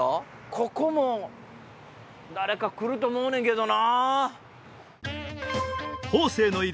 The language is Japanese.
ここも誰か来ると思うねんけどな。